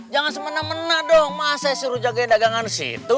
jangan semena mena dong mah saya suruh jagain dagangan di situ